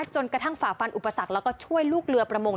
จนกระทั่งฝ่าฟันอุปสรรคแล้วก็ช่วยลูกเรือประมง